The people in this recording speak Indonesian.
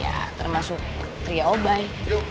ya termasuk trio obay